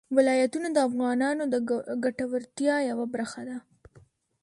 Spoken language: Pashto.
ولایتونه د افغانانو د ګټورتیا یوه برخه ده.